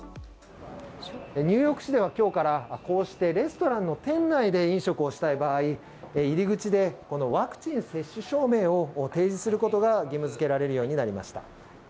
ニューヨーク市では今日からこうしてレストランの店内で飲食をしたい場合入り口でワクチン接種証明を提示することが義務付けられるようになりました。